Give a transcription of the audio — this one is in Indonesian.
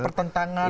pertentangan itu ada